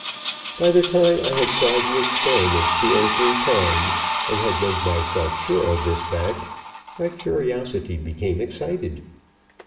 By the time I had tried the experiment two or three times, and had made myself sure of this fact, my curiosity became excited.